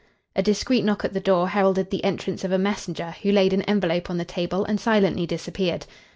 A discreet knock at the door heralded the entrance of a messenger, who laid an envelope on the table and silently disappeared.